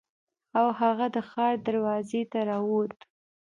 او هغه د ښار دروازې ته راووت.